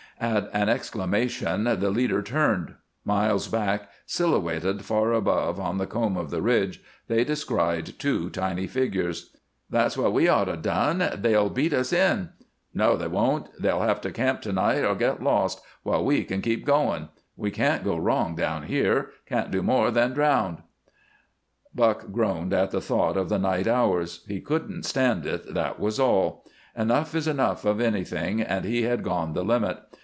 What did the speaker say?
At an exclamation the leader turned. Miles back, silhouetted far above on the comb of the ridge, they descried two tiny figures. "That's what we'd ought 'a' done. They'll beat us in." "No, they won't. They'll have to camp to night or get lost, while we can keep goin'. We can't go wrong down here; can't do no more than drownd." Buck groaned at the thought of the night hours. He couldn't stand it, that was all! Enough is enough of anything and he had gone the limit.